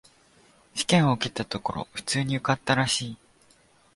試験を受けたところ、普通に受かったらしい。